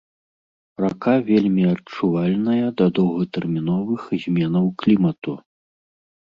Рака вельмі адчувальная да доўгатэрміновых зменаў клімату.